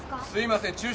すいません。